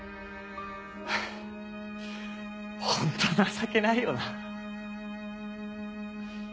ホント情けないよな。